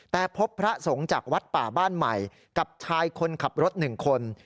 แต่พบพระสงฆ์จากวัดป่าบ้านใหม่กับชายคนขับรถ๑คน